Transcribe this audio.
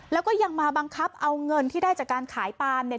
แล้วก็ยังมาบังคับเอาเงินที่ได้จากการขายปาล์มเนี่ย